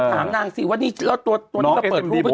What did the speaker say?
แล้วถามนางซิว่านี่แล้วตัวนี้กระเปิดรูปให้ดู